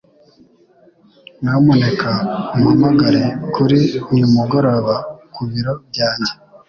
Nyamuneka umpamagare kuri uyu mugoroba ku biro byanjye.